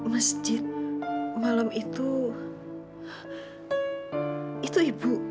masjid malam itu itu ibu